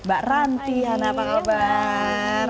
mbak ranti hana apa kabar